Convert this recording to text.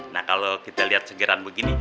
nah kalo kita liat segera begini